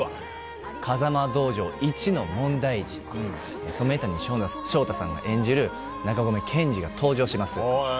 風間道場一の問題児染谷将太さんが演じる中込兼児が登場します。